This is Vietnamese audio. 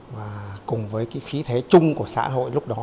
và cùng với cái khí thế chung của xã hội lúc đó